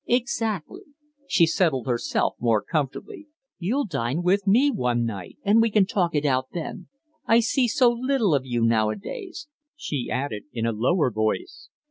"Exactly." She settled herself more comfortably. "You'll dine with me one night and we can talk it out then. I see so little of you nowadays," she added, in a lower voice.